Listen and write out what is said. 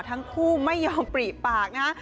ทั้งคู่ไม่ยอมปิ่บปากนะ